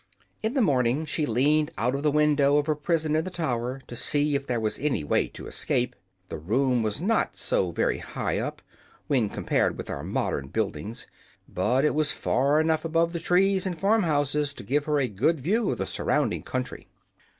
In the morning she leaned out of the window of her prison in the tower to see if there was any way to escape. The room was not so very high up, when compared with our modern buildings, but it was far enough above the trees and farm houses to give her a good view of the surrounding country.